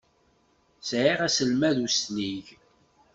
Sɛiɣ aselmad uslig.